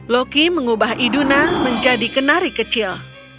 loki mengubah iduna menjadi kenari kecil